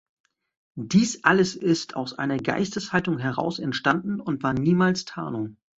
Dies alles ist aus einer Geisteshaltung heraus entstanden und war niemals Tarnung.